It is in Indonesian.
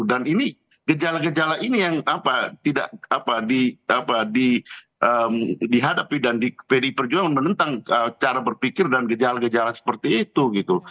dan ini gejala gejala ini yang apa tidak apa di hadapi dan di perjuangan menentang cara berpikir dan gejala gejala seperti itu gitu